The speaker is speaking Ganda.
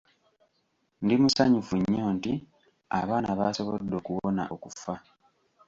Ndi musanyufu nnyo nti abaana baasobodde okuwona okufa.